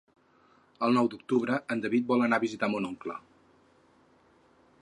El nou d'octubre en David vol anar a visitar mon oncle.